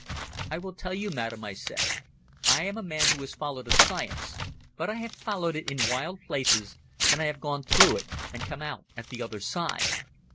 "I will tell you, Madam," I said. "I am a man who has followed a science, but I have followed it in wild places, and I have gone through it and come out at the other side.